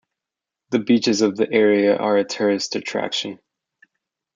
The beaches of the area are tourist attraction.